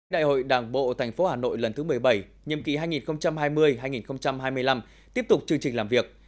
đại hội đảng bộ tp hà nội lần thứ một mươi bảy nhiệm kỳ hai nghìn hai mươi hai nghìn hai mươi năm tiếp tục chương trình làm việc